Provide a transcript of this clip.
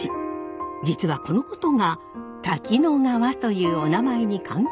実はこのことが「滝野川」というおなまえに関係してきます。